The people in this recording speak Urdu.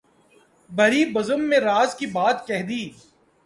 بھری بزم میں راز کی بات کہہ دی